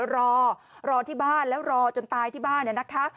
รอรอที่บ้านแล้วรอจนตายที่บ้านเนี่ยนะคะ